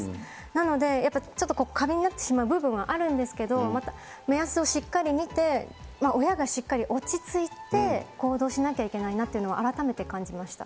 なので、やっぱりちょっと過敏になってしまう部分はあるんですけれども、目安をしっかり見て、親がしっかり落ち着いて行動しなきゃいけないなっていうのは改めて感じました。